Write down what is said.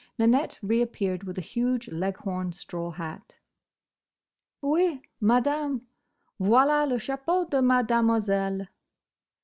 Nanette reappeared with a huge Leghorn straw hat. "Oui, Madame, voilà le chapeau de Mademoiselle."